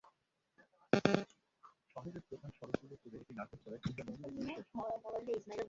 শহরের প্রধান সড়কগুলো ঘুরে এটি নারকেলতলায় পূজা মন্দিরে গিয়ে শেষ হয়।